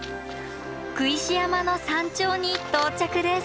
工石山の山頂に到着です！